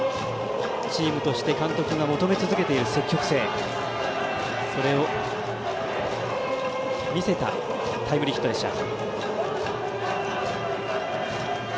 チームとして監督が求め続けている積極性、それを見せたタイムリーヒットでした。